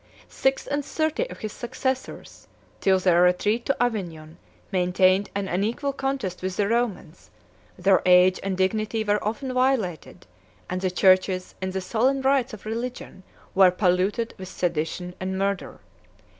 Six and thirty of his successors, 12 till their retreat to Avignon, maintained an unequal contest with the Romans: their age and dignity were often violated; and the churches, in the solemn rites of religion, were polluted with sedition and murder.